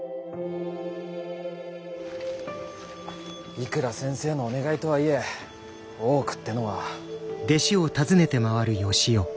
いくら先生のお願いとはいえ大奥ってのは。